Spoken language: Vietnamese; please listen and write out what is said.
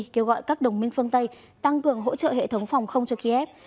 kêu gọi các đồng minh phương tây tăng cường hỗ trợ hệ thống phòng không cho kiev